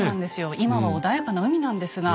今は穏やかな海なんですが。